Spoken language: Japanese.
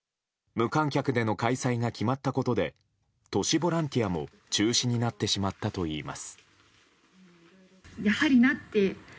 無観客での開催が決まったことで都市ボランティアも中止になってしまったといいます。